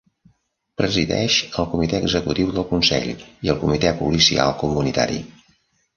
Presideix el comitè executiu del consell i el comitè policial comunitari.